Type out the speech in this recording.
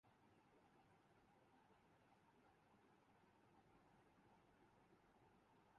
پاکستان آئینی طور پر 'اسلامی جمہوریہ پاکستان‘ ہے۔